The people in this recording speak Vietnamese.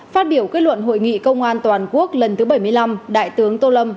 phát biểu quyết luận hội nghị công an toàn quốc lần thứ bảy mươi năm đại tướng tô lâm